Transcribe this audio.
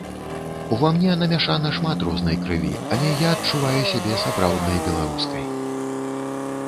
Ува мне намяшана шмат рознай крыві, але я адчуваю сябе сапраўднай беларускай.